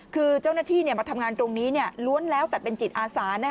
คือเจ้าหน้าที่มาทำงานตรงนี้ล้วนแล้วแต่เป็นจิตอาสา